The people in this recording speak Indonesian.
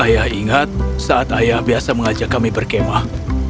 ayah ingat saat ayah biasa mengajak kami berkemah